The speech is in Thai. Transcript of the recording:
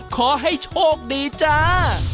ขอให้โชคดีจ้า